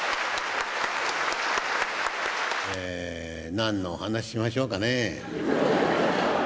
え何のお噺しましょうかねえ。